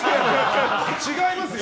違いますよ！